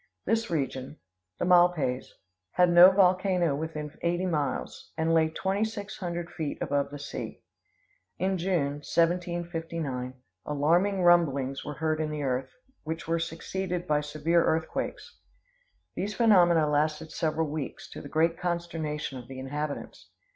This region, the Malpays, had no volcano within eighty miles, and lay twenty six hundred feet above the sea. In June, 1759, alarming rumblings were heard in the earth, which were succeeded by severe earthquakes. These phenomena lasted several weeks, to the great consternation of the inhabitants.